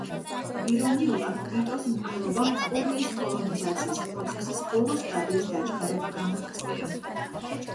ირონიულად, იტოს მკვლელობამ კორეის კოლონიზაციის პროცესის ბოლო სტადიის დაჩქარება გამოიწვია.